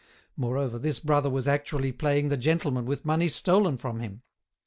Moreover, this brother was actually playing the gentleman with money stolen from him.